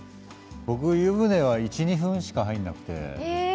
僕、湯船は１、２分しか入らなくて。